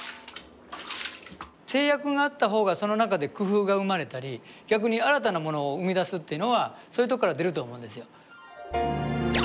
制約があった方がその中で工夫が生まれたり逆に新たなものを生み出すっていうのはそういうとこから出ると思うんですよ。